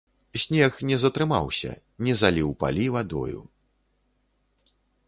Снег не затрымаўся, не заліў палі вадою.